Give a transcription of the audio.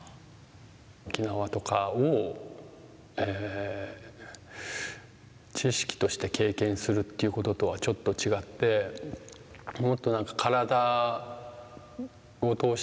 沖縄とかを知識として経験するっていうこととはちょっと違ってもっと体を通してっていうか